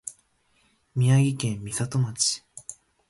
宮城県美里町